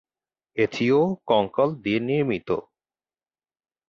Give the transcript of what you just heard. এটিও কঙ্কাল দিয়ে নির্মীত।